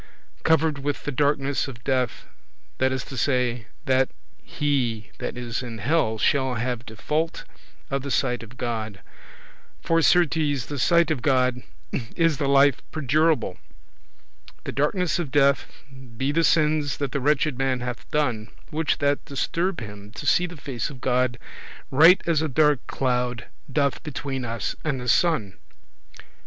Covered with the darkness of death; that is to say, that he that is in hell shall have default of the sight of God; for certes the sight of God is the life perdurable [everlasting]. The darkness of death, be the sins that the wretched man hath done, which that disturb [prevent] him to see the face of God, right as a dark cloud doth between us and the sun.